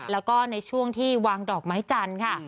แล้วก็ในช่วงที่วางดอกไม้จันทร์ค่ะ